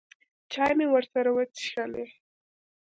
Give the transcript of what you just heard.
چای مې ورسره وڅښلې.